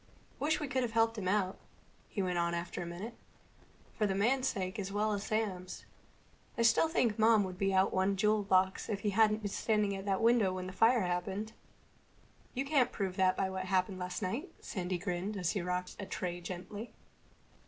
"Wish we could have helped him out," he went on after a minute. "For the man's sake as well as Sam's. I still think Mom would be out one jewel box if he hadn't been standing at that window when the fire happened." "You can't prove that by what happened last night." Sandy grinned as he rocked a tray gently.